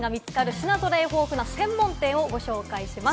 品揃え豊富な専門店をご紹介します。